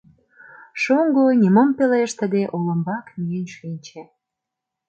Шоҥго, нимом пелештыде, олымбак миен шинче.